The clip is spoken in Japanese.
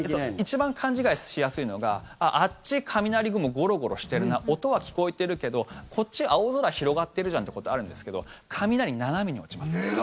一番勘違いしやすいのがあっち、雷雲ゴロゴロしてるな音は聞こえてるけど、こっち青空広がってるじゃんってことあるんですけど雷、斜めに落ちます。